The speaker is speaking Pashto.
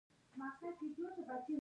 د غواګانو فارمونه په البرټا کې دي.